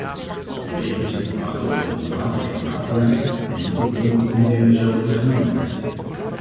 De wereld zit te wachten op een doelmatig klimaatbeleid, en niet op ongefundeerde zelfingenomenheid.